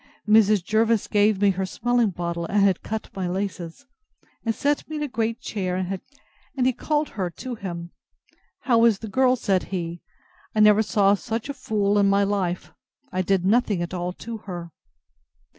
Mrs. Jervis gave me her smelling bottle, and had cut my laces, and set me in a great chair, and he called her to him: How is the girl? said he: I never saw such a fool in my life. I did nothing at all to her.